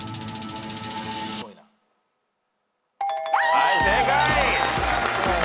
はい正解。